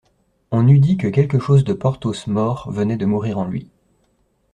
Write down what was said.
On eût dit que quelque chose de Porthos mort venait de mourir en lui.